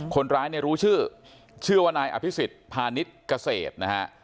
คนร้ายเนี่ยรู้ชื่อชื่อว่านายอภิษฎพาณิชย์เกษตรนะฮะ